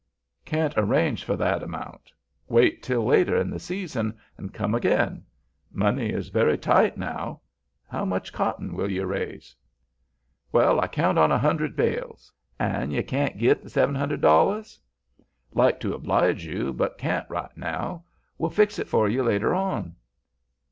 "Can't arrange for that amount. Wait till later in the season, and come again. Money is very tight now. How much cotton will you raise?" "Well, I count on a hundr'd bales. An' you can't git the sev'n hundr'd dollars?" "Like to oblige you, but can't right now; will fix it for you later on."